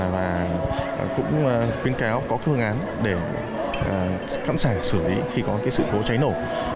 và cũng khuyến cáo có phương án để khẳng sản xử lý khi có sự cố cháy nổ